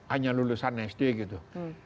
hanya lulusan sd gitu